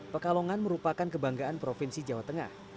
pekalongan merupakan kebanggaan provinsi jawa tengah